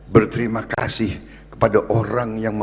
bahwa keluarga foe